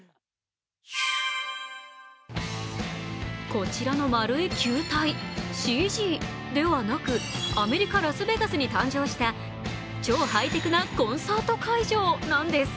こちらの丸い球体、ＣＧではなく、アメリカ・ラスベガスに誕生した超ハイテクなコンサート会場なんです。